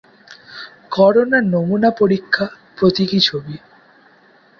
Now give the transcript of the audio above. corona নমুনা পরীক্ষাপ্রতীকী ছবি